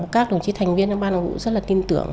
các đồng chí thành viên của ban đồng vũ rất là tin tưởng